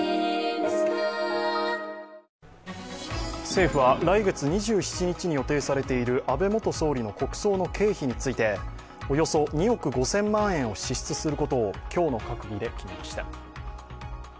政府は来月２７日に予定されている安倍元総理の国葬の経費についておよそ２億５０００万円を支出することを今日の閣議で決めました。